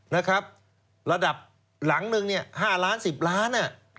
ระดับหลังหนึ่ง๕ล้าน๑๐ล้าน